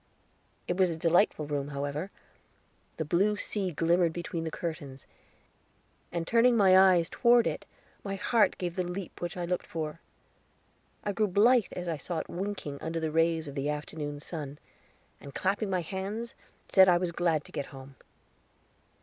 It was a delightful room, however; the blue sea glimmered between the curtains, and, turning my eyes toward it, my heart gave the leap which I had looked for. I grew blithe as I saw it winking under the rays of the afternoon sun, and, clapping my hands, said I was glad to get home.